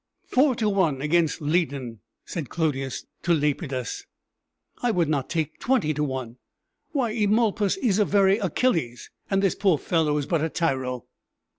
"Four to one against Lydon!" said Clodius to Lepidus. "I would not take twenty to one! Why, Eumolpus is a very Achilles, and this poor fellow is but a tyro!"